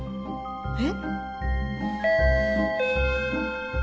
えっ？